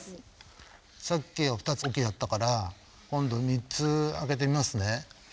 さっきは２つ置きだったから今度３つ空けてみますね。